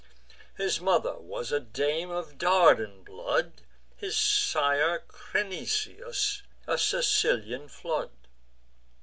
His mother was a dame of Dardan blood; His sire Crinisus, a Sicilian flood.